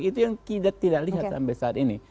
itu yang tidak kita lihat sampai saat ini